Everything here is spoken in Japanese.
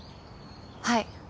はい。